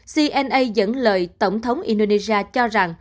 cna dẫn lời tổng thống indonesia